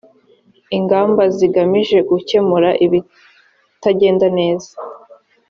ingamba zigamije gukemura ibitagenda neza